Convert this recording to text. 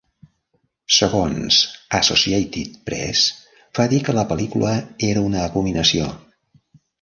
Segons Associated Press, va dir que la pel·lícula era una abominació.